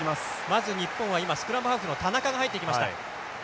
まず日本は今スクラムハーフの田中が入ってきました。